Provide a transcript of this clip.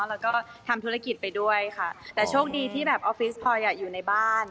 แล้วก็ทำธุรกิจไปด้วยค่ะแต่โชคดีที่แบบออฟฟิศพอยอยู่ในบ้าน